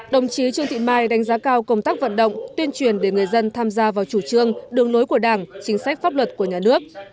đồng chí trương thị mai đánh giá cao công tác vận động tuyên truyền để người dân tham gia vào chủ trương đường lối của đảng chính sách pháp luật của nhà nước